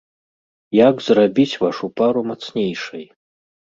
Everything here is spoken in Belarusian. Як зрабіць вашу пару мацнейшай?